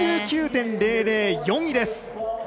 ８９．００、４位です。